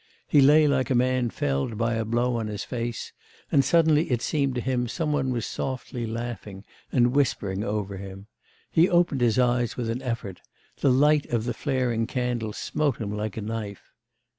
He lay like a man felled by a blow on his face, and suddenly, it seemed to him, some one was softly laughing and whispering over him: he opened his eyes with an effort, the light of the flaring candle smote him like a knife....